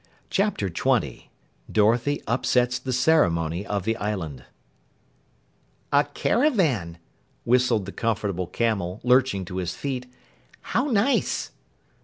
CHAPTER 20 DOROTHY UPSETS THE CEREMONY OF THE ISLAND "A caravan!" whistled the Comfortable Camel, lurching to his feet. "How nice!"